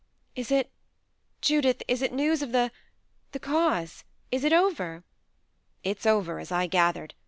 "Is it Judith, is it news of the the cause? Is it over?" "It's over, as I gathered.